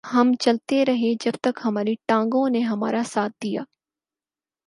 ہم چلتے رہے جب تک ہماری ٹانگوں نے ہمارا ساتھ دیا